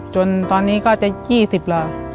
จนตอนนี้ก็จะ๒๐แล้ว